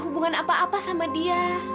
ibu kenal sama sita